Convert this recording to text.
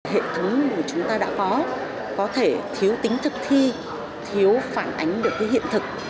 hệ thống của chúng ta đã có có thể thiếu tính thực thi thiếu phản ánh được hiện thực